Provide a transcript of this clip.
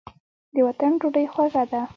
د وطن ډوډۍ خوږه ده.